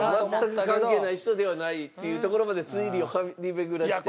全く関係ない人ではないっていうところまで推理を張り巡らして。